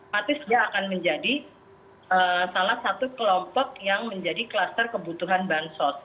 matis dia akan menjadi salah satu kelompok yang menjadi kluster kebutuhan bansos